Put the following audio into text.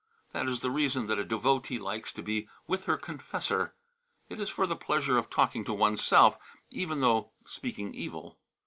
That is the reason that a devotee likes to be with her confessor. It is for the pleasure of talking of one's self even though speaking evil."